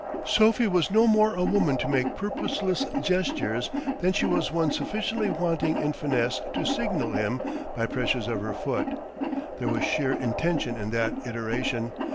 Sophie was no more a woman to make purposeless gestures than she was one sufficiently wanting in finesse to signal him by pressures of her foot. There was sheer intention in that iteration